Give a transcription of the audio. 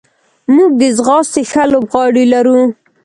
موږ د ځغاستې ښه لوبغاړي لرو.